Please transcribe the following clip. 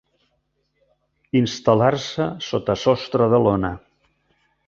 Instal·lar- se sota sostre de lona.